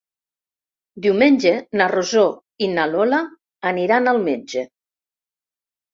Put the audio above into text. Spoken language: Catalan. Diumenge na Rosó i na Lola aniran al metge.